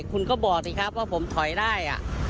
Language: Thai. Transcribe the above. คุณก็บอกสิครับว่าผมถอยได้